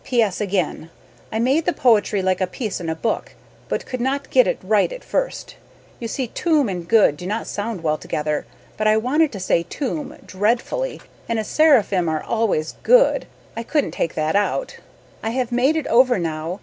P. S. again. I made the poetry like a piece in a book but could not get it right at first. You see "tomb" and "good" do not sound well together but I wanted to say "tomb" dreadfully and as serrafim are always "good" I couldn't take that out. I have made it over now.